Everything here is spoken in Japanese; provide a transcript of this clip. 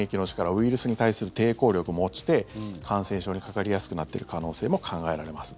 ウイルスに対する抵抗力も落ちて感染症にかかりやすくなってる可能性も考えられます。